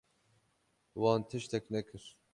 Wan tiştek nekir.